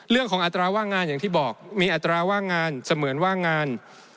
อัตราว่างงานอย่างที่บอกมีอัตราว่างงานเสมือนว่างงาน